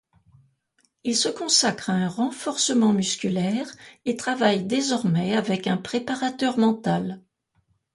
Il se consacre à un renforcement musculaire et travaille désormais avec un préparateur mental.